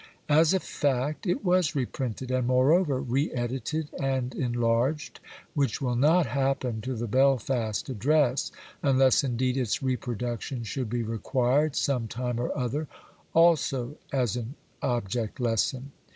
As a fact, it was reprinted and, moreover, re edited and enlarged, which will not happen to the Belfast Address, unless, indeed, its reproduction should be required, some time or other, CRITICAL INTRODUCTION xxvii also as an object lesson.